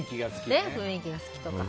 雰囲気が好きとか。